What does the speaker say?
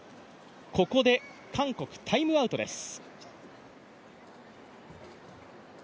ここで韓国、タイムアウトです。